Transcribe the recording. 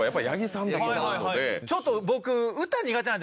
ちょっと僕。